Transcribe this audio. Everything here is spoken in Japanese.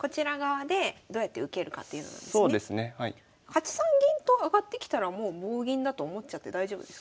８三銀と上がってきたらもう棒銀だと思っちゃって大丈夫ですか？